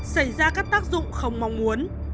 xảy ra các tác dụng không mong muốn